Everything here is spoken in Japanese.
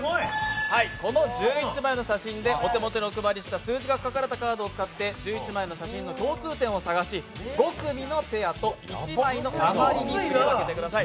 この１１枚の写真でお手元にお配りした数字が書かれたカードを使って１１枚の写真の共通点を探し５組の１ペアと１枚のあまりに振り分けてください。